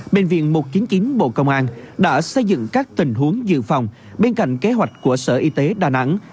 bệnh viện một trăm chín mươi chín bộ công an đã xây dựng các tình huống dự phòng bên cạnh kế hoạch của sở y tế đà nẵng